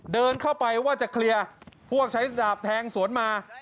เดินเข้าไปว่าจะเคลียร์พวกใช้ดาบแทงสวนมา